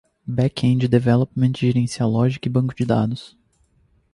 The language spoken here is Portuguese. Back-end Development gerencia lógica e banco de dados.